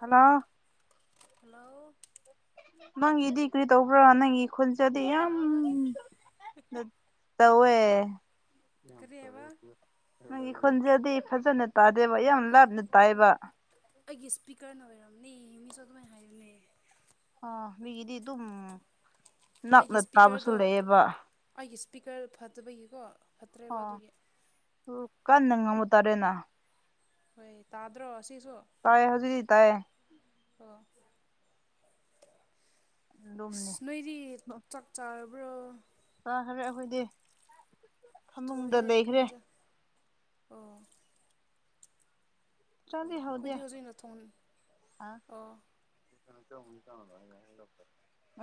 Hello hello ꯅꯪꯒꯤꯗꯤ ꯀ꯭ꯔꯤ ꯇꯧꯕ꯭ꯔꯥ ꯅꯪꯒꯤ ꯈꯨꯟꯖꯗꯤ ꯌꯥꯝ ꯍꯜꯂꯣ [unintelligible] ꯇꯧꯋꯦ ꯀꯔꯤ ꯑꯕꯥ ꯅꯪꯒꯤ ꯈꯣꯖꯦꯜꯗꯤ ꯐꯖꯅ ꯇꯥꯗꯦꯕ ꯌꯥꯝ ꯂꯥꯞꯅ ꯇꯥꯏꯕ ꯑꯩꯒꯤ ꯏꯁꯄꯤꯀꯔꯅ ꯑꯣꯏꯔꯝꯅꯤ ꯃꯤꯁꯨ ꯑꯗꯨꯃꯥꯏ ꯍꯥꯏꯌꯨꯅꯦ ꯑ ꯃꯤꯒꯤꯗꯤ ꯗꯨꯝ ꯑꯩꯒꯤ ꯁ꯭ꯄꯤꯀꯔꯗꯣ ꯑꯩꯒꯤ ꯁ꯭ꯄꯤꯀꯔ ꯐꯠꯇꯕꯒꯤꯀꯣ ꯐꯠꯇ꯭ꯔꯦꯕ ꯑꯥ ꯑꯗꯨꯒꯤ ꯀꯟꯅ ꯉꯥꯡꯕ ꯇꯥꯔꯦꯅꯥ ꯍꯣꯏ ꯇꯥꯗ꯭ꯔꯣ ꯑꯁꯤꯁꯨ ꯇꯥꯏ ꯍꯧꯖꯤꯛꯗꯤ ꯇꯥꯌꯦ ꯑꯣ ꯑꯗꯨꯝꯅꯤ ꯑꯁ ꯅꯣꯏꯗꯤ ꯆꯥꯛ ꯆꯥꯔꯕ꯭ꯔꯣ ꯆꯥꯈꯔ‌ꯦ ꯑꯈꯣꯏꯗꯤ ꯊꯨꯍ‌ꯦ ꯀꯔꯤ ꯏꯟꯖꯥꯡ ꯑ ꯆꯂꯤ ꯍꯧꯗꯦ ꯑꯩꯈꯣꯏꯗꯤ ꯍꯧꯖꯤꯛꯅ ꯊꯣꯡ ꯍꯥ ꯑꯣ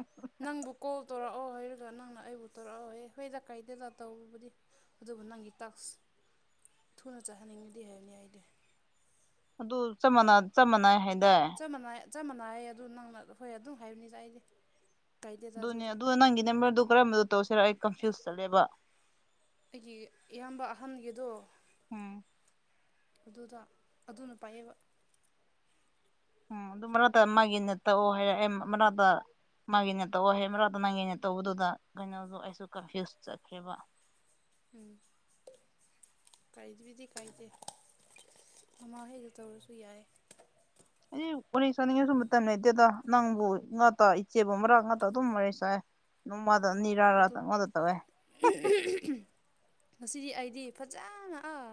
[unintelligible] ꯅꯪꯕꯨ ꯀꯣꯜ ꯇꯧꯔꯑꯣ ꯍꯥꯏꯔꯒ ꯅꯪꯅ ꯑꯩꯕꯨ ꯇꯧꯔꯑꯣ ꯍꯥꯢꯌꯦ ꯍꯣꯏꯗ ꯀꯥꯏꯗꯦꯗ ꯇꯧꯕꯕꯨꯗꯤ ꯑꯗꯨꯕꯨ ꯅꯪꯒꯤ ꯇꯥꯛꯁ ꯊꯨꯅ ꯆꯥꯍꯟꯅꯤꯡꯉꯗꯤ ꯍꯥꯏꯕꯅ‌ꯦ ꯑꯩꯗꯤ ꯑꯗꯨ ꯆꯞ ꯃꯥꯟꯅꯥ ꯃꯥꯟꯅꯩ ꯍꯥꯏꯗꯥꯏ ꯆꯞ ꯃꯥꯟꯅꯥꯏ ꯆꯞ ꯃꯥꯟꯅꯩꯌꯦ ꯑꯗꯨ ꯅꯪꯅ ꯍꯣꯏ ꯑꯗꯨꯝ ꯍꯥꯏꯕꯅꯤꯗ ꯑꯩꯗꯤ ꯀꯥꯏꯗꯦꯗ ꯑꯗꯨꯅꯦ ꯑꯗꯨꯗꯤ ꯑꯗꯨ ꯅꯪꯒꯤ ꯅꯝꯕꯔꯗꯨ ꯀꯔꯝꯕꯗ ꯇꯧꯁꯤꯔ ꯑꯩ ꯀꯟꯐ꯭ꯌꯨꯁ ꯆꯠꯂꯦꯕ ꯑꯩꯒꯤ ꯏꯌꯥꯝꯕ ꯑꯍꯟꯒꯤꯗꯣ ꯎꯝ ꯑꯗꯨꯗ ꯑꯗꯨꯅ ꯄꯥꯏꯌꯦꯕ ꯎꯝ ꯑꯗꯨ ꯃꯔꯥꯇ ꯃꯥꯒꯤꯅ ꯇꯧꯔꯑꯣ ꯍꯥꯏꯔꯑꯦ ꯃ ꯃꯔꯥꯇ ꯃꯥꯒꯤ ꯅꯦ ꯇꯧꯋ‌ꯣ ꯍꯦ ꯃꯔꯥꯗ ꯅꯪꯒꯤꯅꯦ ꯇꯧꯕꯗꯨꯗ ꯀꯩꯅꯣꯗ ꯑꯩꯁꯨ ꯀꯟꯐ꯭ꯌꯨꯁ ꯆꯠꯈ꯭ꯔ‌ꯦꯕꯥ ꯎꯝ ꯀꯥꯏꯗꯤꯕꯤꯗꯤ ꯀꯥꯏꯗꯦ ꯃꯃꯥꯍ‌ꯣꯏꯗ ꯇꯧꯔꯁꯨ ꯌꯥꯏ ꯑꯩ ꯋꯥꯔꯤ ꯁꯥꯅꯤꯡꯉꯥꯁꯨ ꯃꯇꯝ ꯂꯩꯇꯦꯗ ꯅꯪꯕꯨ ꯉꯥꯇ ꯏꯆꯦꯕꯨ ꯃꯔꯥꯛ ꯉꯥꯇ ꯑꯗꯨꯝ ꯋꯥꯔꯤ ꯁꯥꯏ ꯅꯣꯡꯃꯗ ꯑꯣ ꯑꯅꯤꯔꯛꯔ ꯑꯗꯨ ꯀꯩꯅ‌ꯣꯗ ꯇꯧꯋ‌ꯦ ꯉꯁꯤꯗꯤ ꯑꯩꯗꯤ ꯐꯖꯅ ꯑꯥ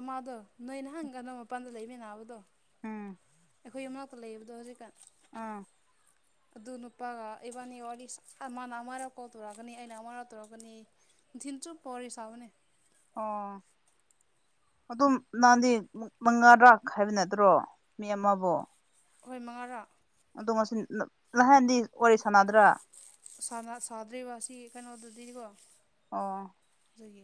ꯑꯃꯥꯗꯣ ꯅꯣꯏ ꯅꯍꯥꯟ ꯀꯩꯅꯣ ꯃꯄꯥꯟꯗ ꯂꯩꯃꯤꯟꯅꯕꯗꯣ ꯎꯝ ꯑꯩꯈꯣꯏ ꯌꯨꯝ ꯃꯅꯥꯛꯇ ꯂꯩꯕꯗꯣ ꯍꯧꯖꯤꯛꯀꯥꯟ ꯑ ꯑꯗꯨ ꯅꯨꯄꯥꯒ ꯏꯕꯥꯅꯤ ꯋꯥꯔꯤ ꯁꯥ ꯃꯥꯅ ꯑꯃꯔꯛ ꯀꯣꯜ ꯇꯧꯔꯛꯀꯅꯤ ꯑꯩꯅ ꯑꯃꯥꯔꯛ ꯇꯧꯔꯛꯀꯅꯤ ꯅꯨꯡꯊꯤꯟ ꯆꯨꯞꯄ ꯋꯥꯔꯤ ꯁꯥꯕꯅꯦ ꯑꯣ ꯑꯗꯨꯝ ꯅꯍꯥꯟꯗꯤ ꯃꯉꯥꯔꯛ ꯍꯥꯏꯕ ꯅꯠꯇ꯭ꯔꯣ ꯃꯤ ꯑꯃꯕꯨ ꯍꯣꯏ ꯃꯉꯥꯔꯥꯛ ꯑꯗꯣ ꯉꯁꯤꯟ ꯅ ꯅꯍꯥꯟꯗꯤ ꯋꯥꯔꯤ ꯁꯥꯟꯅꯗ꯭ꯔꯥ ꯁꯥꯟꯅ ꯁꯥꯗ꯭ꯔꯤꯕ ꯁꯤ ꯀꯩꯅꯣ ꯑꯗꯨꯗꯤꯀꯣ ꯑꯣ ꯑꯗꯒꯤ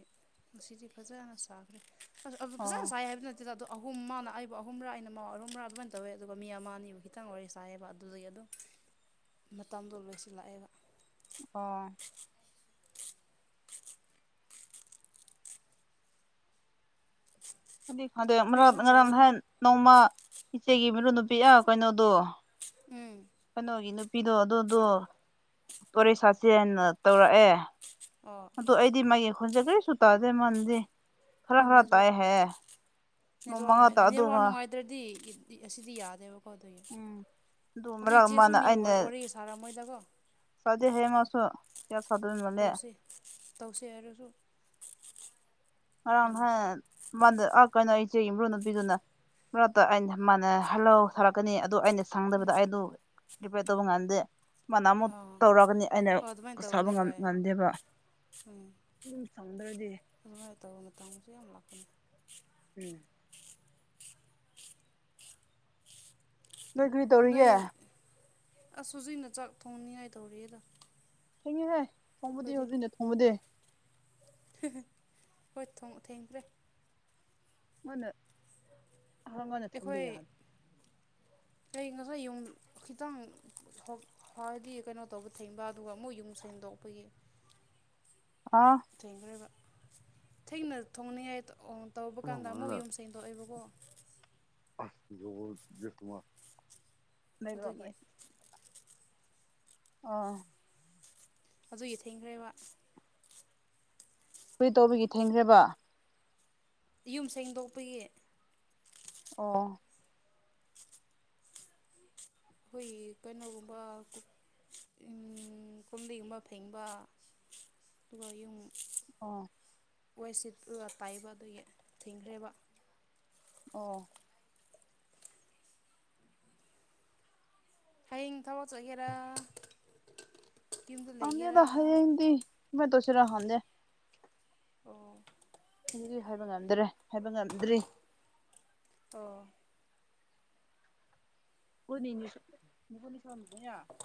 ꯉꯁꯤꯗꯤ ꯐꯖꯅ ꯁꯥꯈ꯭ꯔꯦ ꯑꯗꯨ ꯑꯗꯨ ꯐꯖꯅ ꯑꯣ ꯁꯥꯏ ꯍꯥꯏꯕꯅꯠ ꯑꯗꯨꯗꯗꯣ ꯑꯍꯨꯝ ꯃꯥꯅ ꯑꯩꯕꯨ ꯑꯍꯨꯝꯔꯥ ꯑꯩꯅ ꯃꯥ ꯑꯍꯨꯝꯕ꯭ꯔꯥ ꯑꯗꯨꯃꯥꯏꯅ ꯇꯧꯋꯦ ꯑꯗꯨꯒ ꯃꯤ ꯑꯃ ꯑꯅꯤꯕꯨ ꯈꯤꯇꯪ ꯋꯥꯔꯤ ꯁꯥꯏꯌꯦꯕ ꯑꯗꯨꯗꯒꯤ ꯑꯗꯨꯝ ꯃꯇꯝꯗꯣ ꯂꯣꯏꯁꯤꯜ ꯂꯛꯑꯦꯕ ꯑꯣ ꯈꯪꯗꯤ ꯈꯪꯗꯦ ꯀꯔꯤ ꯃꯔꯛ ꯏꯟꯁꯥꯡ ꯉꯔꯥꯡ ꯆꯥꯕ꯭ꯔꯥ ꯅꯣꯏ ꯅꯍꯥꯟ ꯅꯣꯡꯃ ꯏꯆꯦꯒꯤ ꯃꯔꯨꯞ ꯅꯨꯨꯄꯤ ꯑꯥ ꯀꯩꯅꯣꯗꯣ ꯎꯝ ꯀꯩꯅꯣꯒꯤ ꯅꯨꯄꯤꯗꯣ ꯑꯗꯨꯗꯣ ꯄꯥꯔꯤ ꯁꯥ ꯆꯦꯟꯅ ꯇꯧꯔꯛꯑꯦ ꯑꯣ ꯑꯗꯣ ꯑꯩꯗꯤ ꯃꯥꯒꯤ ꯈꯣꯟꯖꯦꯜ ꯀꯔꯤꯁꯨ ꯇꯥꯗꯦ ꯃꯥꯟꯅꯗꯤ ꯈꯔ ꯈꯔ ꯅꯦꯠꯋꯥꯛ ꯇꯥꯏꯌꯦ ꯍꯥꯏꯌꯦ ꯃꯃꯥꯡꯇ ꯑꯗꯨꯒ ꯗ꯭ꯔꯗꯤ ꯏꯁꯇꯤ ꯑꯁꯤꯗꯤ ꯌꯥꯗꯦꯕꯀꯣ ꯑꯗꯨꯒꯤ ꯎꯝ ꯑꯗꯨ ꯃꯔꯛ ꯏꯆꯦꯁꯨ ꯑꯃꯅ ꯃꯤꯒ ꯑꯩꯅ ꯋꯥꯔ ꯋꯥꯔꯤ ꯊꯥꯔꯝꯃꯣꯏꯗꯀꯣ ꯁꯥꯗꯦ ꯍꯥꯏꯌꯦ ꯃꯁꯨ ꯀꯌꯥ ꯁꯥꯗꯕ ꯃꯥꯜꯂꯦ ꯇꯧꯁꯦ ꯍꯥꯏꯔꯁꯨ ꯉꯥꯔꯥꯡ ꯃꯥꯅꯁꯨ ꯅꯍꯥꯟ ꯃꯥꯗ ꯑꯥ ꯀꯩꯅꯣ ꯏꯆꯦꯒꯤ ꯃꯔꯨꯞ ꯅꯨꯄꯤꯗꯨꯅ ꯃꯔꯛꯇ ꯑꯩꯅ ꯃꯥꯅ ꯍꯜꯂꯣ ꯊꯥꯔꯛꯀꯅꯤ ꯑꯗꯣ ꯑꯩꯅ ꯎꯝ ꯁꯪꯗꯕꯗ ꯑꯩꯗꯣ ꯔꯤꯄ꯭ꯂꯥꯏ ꯇꯧꯕ ꯉꯝꯗꯦ ꯃꯥꯅ ꯑꯃꯨꯛ ꯑꯥ ꯇꯧꯔꯛꯒꯅꯤ ꯑꯩꯅ ꯍꯣꯏ ꯑꯗꯨꯃꯥꯏꯅ ꯁꯥꯕ ꯇꯧꯕꯅꯤ ꯉꯝ ꯍꯣꯏ ꯉꯝꯗꯦꯕ ꯎꯝ ꯑꯗꯨꯝ ꯁꯪꯗ꯭ꯔꯗꯤ ꯑꯗꯨꯃꯥꯏ ꯇꯧꯕ ꯃꯇꯝꯒꯁꯨ ꯌꯥꯝ ꯂꯥꯛꯄꯅꯦ ꯎꯝ ꯅꯣꯏ ꯀꯔꯤ ꯇꯧꯔꯤꯒꯦ ꯅꯣꯏ ꯑꯁ ꯁꯨꯨꯖꯤꯅ ꯆꯥꯛ ꯊꯣꯡꯅꯤꯉꯥꯏ ꯇꯧꯔꯤꯑꯦꯗ ꯊꯦꯡꯉꯤꯍꯦ ꯊꯣꯡꯕꯗꯤ ꯍꯧꯖꯤꯛꯅ ꯊꯣꯡꯕꯗꯤ ꯍꯣꯏ ꯊꯣꯡ ꯊꯦꯡꯈ꯭ꯔꯦ ꯃꯨꯟꯅ ꯑꯩꯈꯣꯏ ꯅꯣꯏ ꯉꯈꯣꯏ ꯌꯨꯝ ꯈꯤꯇꯪ ꯁꯛ ꯍꯥꯔꯗꯤ ꯀꯅꯣ ꯇꯧꯕ ꯊꯤꯡꯕ ꯑꯗꯨꯒ ꯃꯣꯏ ꯌꯨꯝ ꯁꯦꯡꯗꯣꯛꯄꯒꯤ ꯑꯥ ꯊꯦꯡꯈ꯭ꯔꯦꯕ ꯊꯦꯡꯅ ꯊꯣꯡꯅꯤꯡꯉꯥꯏ ꯑꯣ ꯇꯧꯕ ꯀꯥꯟꯗ ꯃꯣꯏ ꯌꯨꯝ ꯁꯦꯡꯗꯣꯛꯑꯦꯕꯀꯣ ꯑꯥꯏ ꯌꯣꯡꯑꯣꯏ ꯄꯤꯔꯛꯇꯨ ꯃꯥꯜꯂꯤ ꯂꯩꯕ꯭ꯔꯣ ꯑꯗꯨꯒꯤ ꯃꯣꯏ ꯑ ꯑꯗꯨꯒꯤ ꯊꯦꯡꯈ꯭ꯔꯦꯕ ꯀꯔꯤ ꯇꯧꯕꯒꯤ ꯊꯦꯡꯈ꯭ꯔꯦꯕꯥ ꯌꯨꯝ ꯁꯦꯡꯗꯣꯛꯄꯒꯤ ꯑꯣ ꯈꯣꯏꯒꯤ ꯀꯩꯅꯣꯒꯨꯝꯕ ꯒꯨ ꯎꯝ ꯀꯣꯝꯕꯤꯒꯨꯝꯕ ꯐꯦꯡꯕ ꯇꯨꯒ ꯌꯨꯝ ꯑꯣ ꯋꯥꯏ ꯁꯤꯠꯂ ꯇꯥꯏꯕꯗꯨꯒꯤ ꯊꯤꯡꯈ꯭ꯔꯦꯕ ꯑꯣ ꯍꯌꯦꯡ ꯊꯕꯛ ꯆꯠꯒꯦꯔꯥ ꯌꯨꯝꯗ ꯈꯪꯗꯦꯗ ꯂꯩꯒꯦꯔꯥ ꯍꯌꯦꯡꯗꯤ [inaudible] ꯇꯧꯁꯤꯔꯥ ꯈꯪꯗꯦ ꯑꯣ ꯑꯗꯨꯗꯤ ꯍꯥꯏꯕ ꯉꯝꯗ꯭ꯔꯦ ꯍꯥꯏꯕ ꯉꯝꯗ꯭ꯔꯤ ꯑꯣ [unintelligible]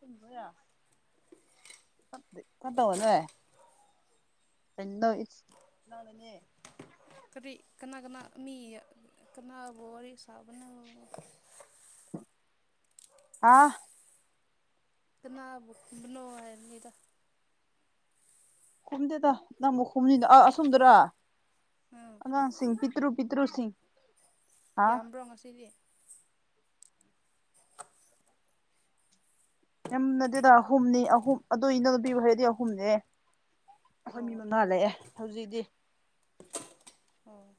[unintelligible] ꯌꯥ [unintelligible] ꯈ ꯇꯧꯋꯣꯅꯦ [unintelligible] ꯀꯔꯤ ꯀꯅꯥ ꯀꯅꯥ ꯃꯤꯒ ꯀꯅꯥꯕꯨ ꯋꯥꯔꯤ ꯁꯥꯕꯅꯣ ꯑꯥ ꯀꯅꯥꯕꯨ ꯊꯤꯟꯕꯅꯣ ꯍꯥꯏꯕꯅꯤꯗ ꯈꯨꯝꯗꯦꯗ ꯅꯪꯃꯨꯛ ꯈꯨꯝꯅꯤꯗ ꯑ ꯑꯁꯣꯝꯗꯔꯥ ꯎꯝ ꯑꯉꯥꯡꯁꯤꯡ ꯄꯤꯠ ꯇ꯭ꯔꯨ ꯄꯤꯇ꯭ꯔꯨꯁꯤꯡ ꯌꯥꯝꯕ꯭ꯔꯣ ꯉꯁꯤꯗꯤ ꯌꯥꯝꯅꯗꯦꯗꯥ ꯑꯍꯨꯝꯅꯤ ꯑꯍꯨꯝ ꯑꯗꯨ ꯏꯅꯣ ꯅꯨꯄꯤꯕꯨ ꯍꯥꯏꯔꯗꯤ ꯑꯍꯨꯝꯅꯤ ꯈꯣꯏ ꯃꯤ ꯑꯣ ꯃꯉꯥ ꯂꯩꯑꯦ ꯍꯧꯖꯤꯛꯗꯤ ꯑꯣ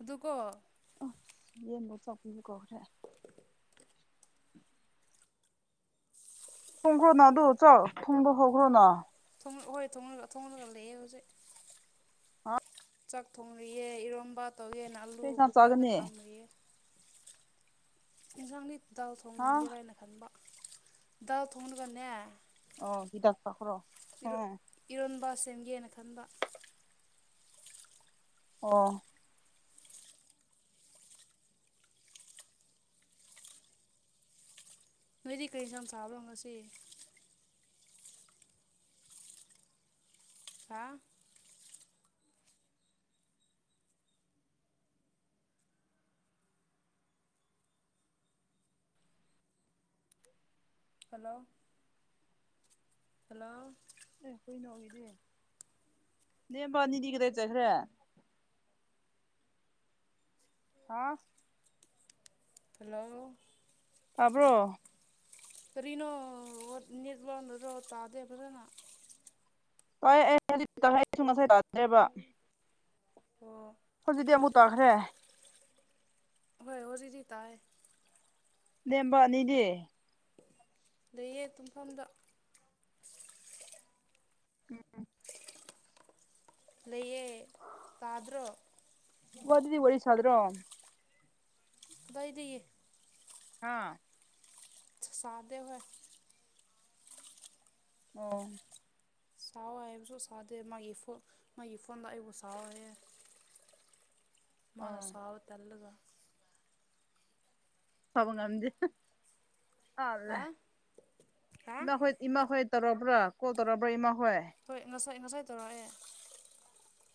ꯑꯗꯨꯀꯣ ꯑ ꯌꯦꯟꯕꯨ ꯆꯧꯀ꯭ꯔꯤꯒ ꯀꯧꯈ꯭ꯔꯦ [unintelligible] ꯊꯣꯡ ꯍꯣꯏ ꯊꯣꯡꯂꯒ ꯊꯣꯡꯂꯒ ꯂꯩꯑꯦ ꯍꯧꯖꯤꯛ ꯆꯥꯛ ꯊꯣꯡꯔꯤꯑꯦ ꯏꯔꯣꯝꯕ ꯇꯧꯒꯦꯅ ꯑꯂꯨ ꯀꯩ ꯏꯟꯁꯥꯡ ꯀꯨꯀꯔꯗ ꯆꯥꯒꯅꯤ ꯀꯥꯝꯔꯤꯌꯦ ꯑꯦꯟꯖꯥꯡꯗꯤ ꯗꯥꯜ ꯍꯥ ꯊꯣꯡꯒꯦꯔ ꯍꯥꯏꯅ ꯈꯟꯕ ꯗꯥꯜ ꯊꯣꯡꯂꯒꯅꯦ ꯑꯣ ꯍꯤꯗꯥꯛ ꯊꯛꯈ꯭ꯔꯣ ꯑꯣ ꯏꯔꯣꯟꯕ ꯁꯦꯝꯒꯦꯅ ꯈꯟꯕ ꯑꯣ ꯅꯣꯏꯗꯤ ꯀꯔꯤ ꯑꯦꯟꯁꯥꯡ ꯆꯥꯕ꯭ꯔꯣ ꯉꯁꯤ ꯍꯥ ꯍꯜꯂꯣ ꯍꯜꯂꯣ ꯑꯦ ꯀꯨꯏꯅ ꯑꯣꯏꯗꯦ ꯅꯦꯝꯕ ꯑꯅꯤꯗꯤ ꯀꯗꯥꯏ ꯆꯠꯈ꯭ꯔꯦ ꯍꯥꯥ ꯍꯜꯂꯣ ꯇꯥꯕ꯭ꯔꯣ ꯀꯔꯤꯅꯣ ꯑꯣ ꯅꯦꯠꯋꯥꯛꯅꯔꯣ ꯇꯥꯗꯦ ꯐꯖꯅ ꯍꯣꯏ ꯑꯩ ꯍꯧꯖꯤꯛ ꯑꯩꯁꯨ ꯉꯁꯥꯏ ꯇꯥꯗ꯭ꯔꯦꯕ ꯑꯣ ꯍꯣꯖꯤꯛꯗꯤ ꯑꯃꯨꯛ ꯇꯥꯈ꯭ꯔꯦ ꯍꯣꯏ ꯍꯧꯖꯤꯛꯗꯤ ꯇꯥꯏ ꯂꯦꯝꯕ ꯑꯅꯤꯗꯤ ꯂꯩꯌꯦ ꯇꯨꯝꯐꯝꯗ ꯎꯝ ꯎꯝ ꯂꯩꯌꯦ ꯄꯥꯗ꯭ꯔꯣ ꯒꯣꯗꯗꯤ ꯋꯥꯔꯤ ꯁꯥꯗ꯭ꯔꯣ ꯕꯩꯗꯩꯌꯦ ꯍꯥꯥ ꯆ ꯆꯥꯗꯦ ꯍꯣꯏ ꯑꯣ ꯁꯥꯎ ꯍꯥꯏꯔꯁꯨ ꯁꯥꯥꯗꯦ ꯃꯥꯒꯤ ꯐꯣ ꯃꯥꯒꯤ ꯐꯣꯟꯗ ꯑꯩꯕꯨ ꯁꯥꯎ ꯍꯥꯏꯌꯦ ꯃꯥꯥꯅ ꯑꯣ ꯁꯥꯎ ꯇꯜꯂꯒ ꯁꯥꯕ ꯉꯝꯗꯦ ꯍ ꯑ ꯍꯥ ꯂꯦ ꯍꯥ ꯅꯍꯣꯏꯠ ꯏꯃꯥꯍꯣꯏ ꯇꯧꯔꯛꯕ꯭ꯔ ꯀꯣꯜ ꯇꯧꯔꯛꯕ꯭ꯔ ꯏꯃꯥꯍꯣꯏ ꯍꯣꯏ ꯉꯁꯥꯏ ꯉꯁꯥꯏ ꯇꯧꯔꯛꯑꯦ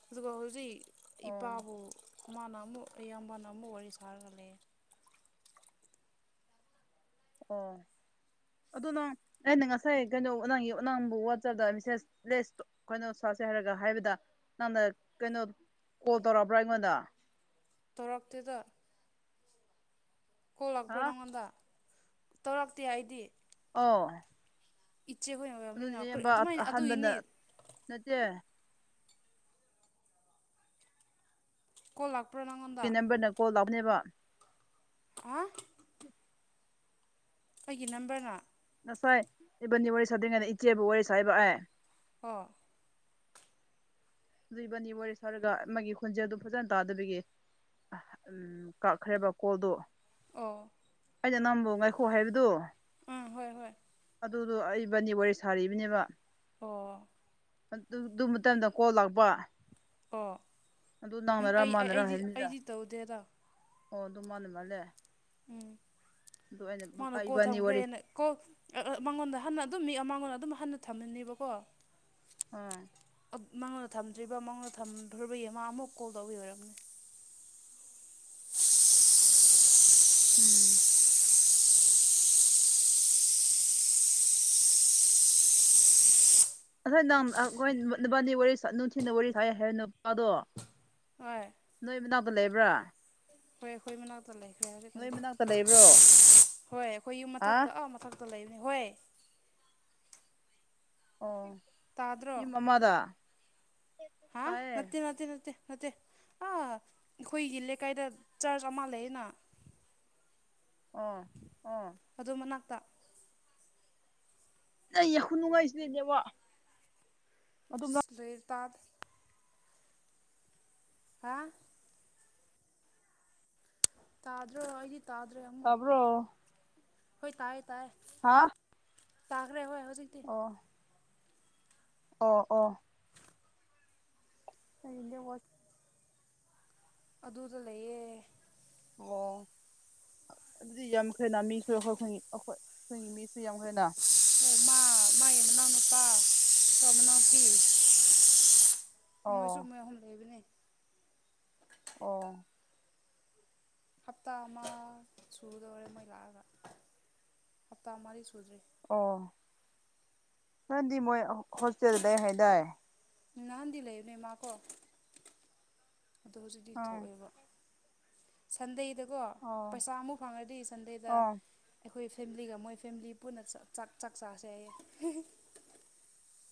ꯑꯗꯨꯒ ꯍꯧꯖꯤꯛ ꯑꯣ ꯏꯄꯥꯕꯨ ꯃꯥꯅ ꯑꯃꯨꯛ ꯏꯌꯥꯝꯕꯅ ꯑꯃꯨꯛ ꯋꯥꯔꯤ ꯁꯥꯥꯔꯒ ꯂꯩꯌꯦ ꯑꯣ ꯑꯗꯣ ꯅꯪ ꯑꯩꯅ ꯉꯁꯥꯏ ꯀꯩꯅꯣ ꯅꯪꯒꯤ ꯅꯪꯕꯨ ꯋꯥꯆꯞꯗ ꯃꯦꯁꯦꯁ ꯂꯦꯁ ꯀꯩꯅꯣ ꯆꯥꯁꯦ ꯍꯥꯏꯔꯒ ꯍꯥꯏꯕꯗ ꯅꯪꯅ ꯀꯩꯅꯣ ꯀꯣꯜ ꯇꯧꯔꯑꯕ꯭ꯔ ꯑꯩꯉꯣꯟꯗ ꯇꯧꯔꯛꯇꯦꯗꯥ ꯀꯣꯜ ꯂꯥꯛꯄ꯭ꯔꯣ ꯍꯥ ꯅꯪꯉꯣꯟꯗ ꯇꯧꯔꯥꯛꯇꯦ ꯑꯩꯗꯤ ꯑꯣ ꯏꯆꯦ ꯍꯣꯏꯅ ꯑꯗꯨꯂꯤꯌꯦꯝꯕ ꯑꯍꯟꯕꯗ ꯅꯠꯇꯦ ꯀꯣꯜ ꯂꯥꯛꯄ꯭ꯔꯣ ꯅꯪꯉꯣꯟ ꯀꯦ ꯅꯝꯕꯔꯅ ꯀꯣꯜ ꯂꯥꯛꯄꯅꯦꯕ ꯑꯣ ꯑꯩꯒꯤ ꯅꯝꯕꯔꯅ ꯉꯁꯥꯏ ꯏꯕꯥꯅꯤ ꯋꯥꯔꯤ ꯁꯥꯗ꯭ꯔꯤꯉꯩꯗ ꯏꯆꯦꯕꯨ ꯋꯥꯔꯤ ꯁꯥꯥꯏꯕ ꯑꯥꯏ ꯑꯣ ꯗꯨ ꯏꯕꯥꯟꯅꯤ ꯋꯥꯔꯤ ꯁꯥꯔꯒ ꯑꯃꯒꯤ ꯈꯣꯟꯖꯦꯜꯗꯨ ꯐꯖꯟ ꯇꯥꯗꯕꯒꯤ ꯎꯝ ꯀꯥꯛꯈ꯭ꯔꯦꯕ ꯀꯣꯜꯗꯣ ꯑꯣ ꯑꯩꯅ ꯅꯝꯕꯨ ꯉꯥꯏꯈꯣ ꯍꯥꯏꯕꯗꯨ ꯎꯝ ꯍꯣꯏ ꯍꯣꯏ ꯑꯗꯨꯗꯣ ꯑꯩ ꯕꯥꯟꯅꯤ ꯋꯥꯔꯤ ꯁꯥꯔꯤꯕꯤꯅꯦꯕꯥ ꯑꯣ ꯑꯗꯨ ꯗꯨ ꯃꯇꯝꯗ ꯀꯣꯜ ꯂꯥꯛꯄ ꯑꯣ ꯑꯗꯨ ꯎꯝ ꯅꯥꯃꯔ ꯑꯩ ꯑꯩ ꯃꯥꯅꯔ ꯑꯩꯗꯤ ꯍꯥꯏꯕꯤꯅꯤꯗ ꯑꯩꯗꯤ ꯇꯧꯗꯦꯗ ꯑꯣ ꯑꯗꯨ ꯃꯥꯅ ꯃꯥꯜꯂꯦ ꯎꯝ ꯑꯗꯨ ꯑꯩꯅ ꯃꯥꯅ ꯀꯣꯜ ꯏꯕꯥꯅꯤ ꯋꯥꯔꯤ ꯊꯝꯈ꯭ꯔꯦꯅ ꯀꯣꯛ ꯑ ꯑ ꯃꯉꯣꯟꯗ ꯍꯟꯅ ꯑꯗꯨꯝ ꯃꯤ ꯑꯃ ꯉꯣꯟꯗ ꯑꯗꯨꯝ ꯍꯟꯅ ꯊꯝꯃꯅꯦꯕꯀꯣ ꯑ ꯑꯠ ꯃꯉꯣꯟꯗ ꯊꯝꯗ꯭ꯔꯤꯕ ꯃꯉꯣꯟꯗ ꯊꯝꯗ꯭ꯔꯤꯕꯒꯤ ꯃꯥ ꯑꯃꯨꯛ ꯀꯣꯜ ꯇꯧꯕꯤ ꯑꯣꯏꯔꯝꯅꯤ [inaudible] ꯎꯝ [inaudible] ꯑꯁꯥꯏ ꯅꯪ ꯑꯒꯣꯏ ꯅꯨꯄꯥꯗꯤ ꯋꯥꯔꯤ ꯁꯥ ꯅꯨꯡꯊꯤꯟꯗ ꯋꯥꯔꯤ ꯁꯥꯏ ꯍꯥꯏ ꯅꯨꯄꯥꯗꯣ꯫ ꯍꯣꯏ ꯅꯣꯏ ꯃꯅꯥꯛꯇ ꯂꯩꯕ꯭ꯔꯥ? ꯍꯣꯏ ꯑꯈꯣꯏ ꯃꯅꯥꯛꯇ ꯂꯩꯈ꯭ꯔꯦ ꯅꯣꯏ ꯍꯧꯖꯤꯛꯀꯥꯟꯗꯤ ꯃꯅꯥꯛꯇ ꯂꯩꯕ꯭ꯔꯣ ꯍꯣꯏ ꯑꯈꯣꯏ ꯌꯨꯝ ꯍꯥ ꯃꯊꯛꯇ ꯑꯥ ꯃꯊꯛ ꯃꯊꯛꯇ ꯂꯩꯕꯅꯦ ꯍꯣꯏ ꯑꯣ ꯇꯥꯗ꯭ꯔꯣ ꯌꯨꯝ ꯑꯃꯥꯗ꯫ ꯍꯥ ꯅꯠꯇꯦ ꯅꯠꯇꯦ ꯅꯠꯇꯦ ꯅꯠꯇꯦ ꯑꯥ ꯑꯈꯣꯏꯒꯤ ꯂꯩꯀꯥꯏꯗ ꯆꯥꯔꯆ ꯑꯃ ꯂꯩꯌꯦꯅꯥ꯫ ꯑꯥ ꯑꯗꯨ ꯃꯅꯥꯛꯇ꯫ ꯑꯩ ꯌꯥ ꯈꯨꯅꯨꯡꯉꯥꯏꯁꯤꯗꯤ ꯅꯦꯠ ꯋꯥꯛ ꯂꯩ ꯇꯥꯛ ꯍꯥꯥ ꯇꯥꯗ꯭ꯔꯣ ꯑꯩꯗꯤ ꯇꯥꯗ꯭ꯔꯦ ꯑꯃꯨꯛ ꯇꯥꯕ꯭ꯔꯣ ꯍꯣꯏ ꯇꯥꯏꯌꯦ ꯇꯥꯏꯌꯦ꯫ ꯍꯥ ꯇꯥꯈ꯭ꯔꯦ ꯍꯣꯏ ꯍꯧꯖꯤꯛ꯫ ꯑꯣ ꯑꯣ ꯑꯣ ꯑꯩꯗꯤ ꯋꯥ ꯑꯗꯨꯗ ꯂꯩꯌꯦ ꯑꯣ ꯑꯗꯨꯗꯤ ꯌꯥꯝꯈ꯭ꯔꯦꯅ ꯃꯤꯁꯨ ꯑꯈꯣꯏ ꯈꯣꯏꯒꯤ ꯑꯈꯣꯏ ꯑꯈꯣꯏꯒꯤ ꯃꯤꯁꯨ ꯌꯥꯝꯈ꯭ꯔꯦꯅ꯫ ꯑꯣ ꯃꯥ ꯃꯥꯒꯤ ꯃꯅꯥꯎ ꯅꯨꯄꯥ ꯇꯣ ꯃꯅꯥꯎꯄꯤ ꯃꯣꯏꯖꯨ ꯑꯣ ꯃꯣꯏ ꯑꯍꯨꯝ ꯂꯩꯕꯅꯦ꯫ ꯑꯣ ꯍꯞꯇꯥ ꯑꯃ ꯁꯨꯗꯧꯔꯦ ꯃꯣꯏ ꯂꯥꯛꯑꯒ ꯍꯞꯇꯥ ꯃꯔꯤ ꯁꯨꯗ꯭ꯔꯤ꯫ ꯑꯣ ꯃꯥꯗꯤ ꯃꯣꯏ ꯍꯣꯁꯇꯦꯜ ꯂꯩ ꯍꯥꯏꯗꯥꯏ꯫ ꯅꯍꯥꯟꯗꯤ ꯂꯩꯕꯅꯦ ꯃꯥꯀꯣ ꯑꯗꯣ ꯍꯧꯖꯤꯛꯇꯤ ꯑꯥ ꯊꯣꯛꯑꯦꯕ꯫ ꯁꯟꯗꯦꯗꯀꯣ ꯑꯣ ꯄꯩꯁꯥ ꯑꯃꯨꯛ ꯐꯪꯉꯗꯤ ꯁꯟꯗꯦꯗ ꯑꯣ ꯑꯩꯈꯣꯏ ꯐꯦꯝꯂꯤꯒ ꯃꯣꯏ ꯐꯦꯝꯂꯤ ꯄꯨꯟꯅ ꯆꯛ ꯆꯥꯛ ꯆꯥꯛ ꯆꯥꯁꯦ ꯍꯥꯏꯌꯦ ꯍꯦ ꯍꯦ꯫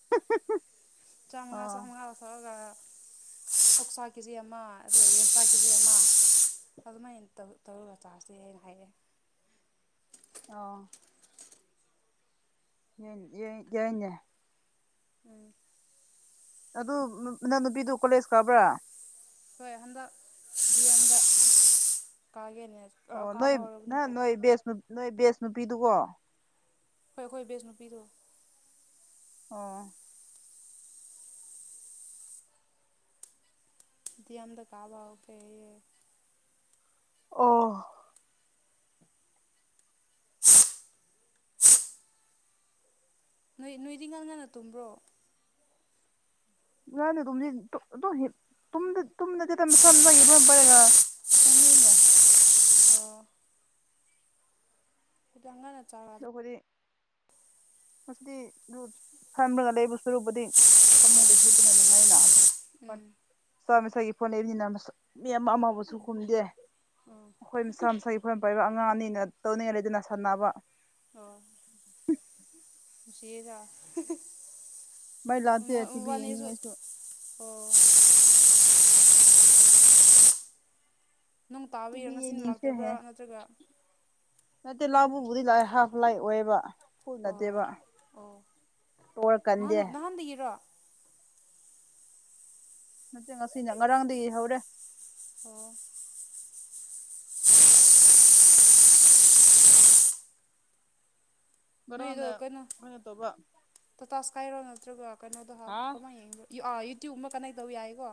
[unintelligible] ꯆꯥꯝꯃꯉꯥ ꯑꯣ ꯆꯥꯝꯃꯉꯥꯗ ꯊꯣꯛꯑꯒ ꯑꯣꯛꯁꯥ ꯀꯤꯖꯤ ꯑꯃ ꯑꯗꯨꯒ ꯌꯦꯟꯁꯥ ꯀꯤꯖꯤ ꯑꯃ ꯑꯗꯨꯃꯥꯏꯟ ꯇꯧꯏ꯫ ꯇꯧꯔꯒ ꯆꯥꯁꯦꯅ ꯍꯥꯏꯌꯦ꯫ ꯑꯣ ꯌꯦꯡ ꯌꯦꯡ ꯌꯥꯏꯅꯦ꯫ ꯎꯝ ꯑꯗꯨ ꯃꯅꯥꯎꯅꯨꯄꯤꯗꯨ ꯀꯣꯂꯦꯖ ꯀꯥꯕ꯭ꯔ? ꯍꯣꯏ ꯍꯟꯗꯛ ꯗꯤ ꯌꯦꯝꯗ ꯀꯥꯒꯦꯅꯦ꯫ ꯑꯣ ꯅꯣꯏ ꯀꯥꯕ ꯍꯧꯔꯕꯅꯤ ꯅꯍꯟ ꯅꯣꯏ ꯕꯦꯁ ꯅꯨ ꯅꯣꯏ ꯕꯦꯁ ꯅꯨꯄꯤꯗꯨꯒꯣ꯫ ꯍꯣꯏ ꯑꯈꯣꯏ ꯕꯦꯁ ꯅꯨꯄꯤꯗꯣ꯫ ꯑꯣ ꯗꯤ ꯌꯦꯝꯗ ꯀꯥꯕ ꯍꯧꯈ꯭ꯔꯦꯌꯦ꯫ ꯑꯣ ꯅꯣꯏ ꯅꯣꯏꯗꯤ ꯉꯟ ꯉꯟꯅ ꯇꯨꯝꯕ꯭ꯔꯣ? ꯉꯥꯟꯅ ꯗꯨꯝꯗꯤ ꯇꯨ ꯑꯗꯨꯝ ꯍꯤꯞ ꯇꯨꯝꯗꯤ ꯇꯨꯝꯗꯗꯤꯗ ꯃꯁꯥ ꯃꯁꯥꯒꯤ ꯕ ꯄꯥꯏꯔꯒ ꯌꯥꯝ ꯅꯩꯅꯦ꯫ [unintelligible] ꯑꯣ ꯈꯤꯇꯪ ꯉꯟꯅ ꯆꯥꯔꯁꯨ ꯃꯁꯤꯗꯤ ꯔꯨꯠ ꯐꯝꯔꯒ ꯂꯩꯕ ꯁꯔꯨꯛꯄꯨꯗꯤ ꯐꯃꯨꯡꯗ ꯍꯤꯞꯄꯅ ꯅꯨꯡꯉꯥꯏꯅ꯫ [unintelligible] ꯃꯁꯥ ꯃꯁꯥꯒꯤ ꯐꯣꯟ ꯂꯩꯕꯅꯤꯅ ꯃꯁꯛ ꯃꯤ ꯑꯃ ꯑꯃꯕꯨꯁꯨ ꯈꯨꯝꯗꯦ꯫ ꯑꯈꯣꯏ ꯃꯁꯥ ꯃꯁꯥꯒꯤ ꯐꯣꯟ ꯄꯥꯏꯕ ꯑꯉꯥꯡ ꯑꯅꯤꯅ ꯇꯧꯅꯤꯡꯉꯥꯏ ꯂꯩꯗꯅ ꯁꯥꯟꯅꯕ꯫ ꯑꯣ ꯆꯦꯒ [unintelligible] ꯃꯩ ꯂꯥꯛꯇꯦ ꯇꯤ ꯕꯤ ꯌꯦꯡꯅꯤꯡꯉꯥꯏꯁꯨ꯫ [inaudible] ꯑꯣ [unintelligible] ꯅꯣꯡ ꯇꯥꯕꯩꯔ ꯇꯤꯚꯤ ꯉꯁꯤꯅ ꯂꯥꯛꯇꯕ꯭ꯔꯥ ꯌꯦꯡꯅꯤꯡꯈ꯭ꯔꯦꯍꯦ ꯅꯠꯇ꯭ꯔꯒ? ꯅꯠꯇꯦ ꯂꯥꯛꯄꯕꯨꯗꯤ ꯂꯥꯛꯑꯦ ꯍꯥꯐ ꯂꯥꯏꯠ ꯑꯣꯏꯌꯦꯕ꯫ ꯐꯨꯜ ꯑꯣ ꯅꯠꯇꯦꯕ ꯑꯣ ꯇꯣꯔ ꯅꯍꯥꯟ ꯀꯟꯗꯦ ꯅꯍꯥꯟꯗꯒꯤꯔꯣ? ꯅꯠꯇꯦ ꯉꯁꯤꯅ ꯉꯔꯥꯡꯗꯒꯤ ꯍꯧꯔꯦ꯫ ꯑꯣ [unintelligible] ꯅꯣꯏꯗꯣ ꯉꯔꯥꯡꯅ ꯀꯩꯅꯣ ꯇꯧꯕ ꯇꯥꯇꯥꯥ ꯁ꯭ꯀꯥꯏꯔꯣ ꯅꯠꯇ꯭ꯔꯒ ꯀꯩꯅꯣꯗꯣ ꯍꯥꯞ ꯍꯥ ꯀꯃꯥꯏꯅ ꯌꯦꯡꯕ꯭ꯔ? ꯌ ꯑ ꯌꯨꯇ꯭ꯌꯨꯕꯀꯨꯝꯕ ꯀꯟꯅꯦꯛ ꯇꯧꯕ ꯌꯥꯏꯀꯣ?